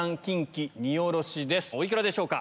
お幾らでしょうか？